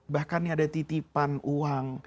bahkan ada titipan uang